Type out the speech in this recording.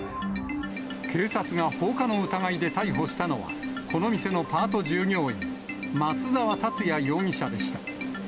警察が放火の疑いで逮捕したのは、この店のパート従業員、松沢達也容疑者でした。